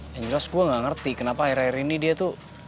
yang jelas gue gak ngerti kenapa akhir akhir ini dia tuh